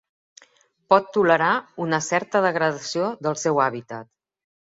Pot tolerar una certa degradació del seu hàbitat.